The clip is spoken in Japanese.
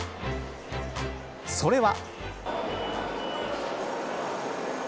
それは。